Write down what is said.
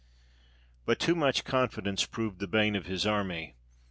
But too much confidence proved the bane of his army.